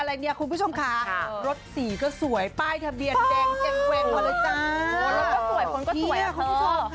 อะไรเนี้ยคุณผู้ชมคะครับรถสีก็สวยป้ายทะเบียนแดงแจงแกวง